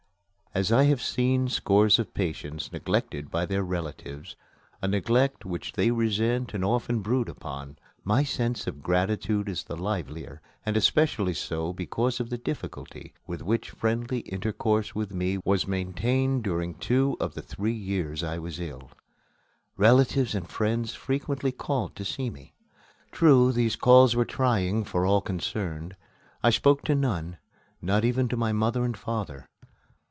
As I have seen scores of patients neglected by their relatives a neglect which they resent and often brood upon my sense of gratitude is the livelier, and especially so because of the difficulty with which friendly intercourse with me was maintained during two of the three years I was ill. Relatives and friends frequently called to see me. True, these calls were trying for all concerned. I spoke to none, not even to my mother and father.